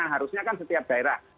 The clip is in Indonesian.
harusnya kan setiap daerah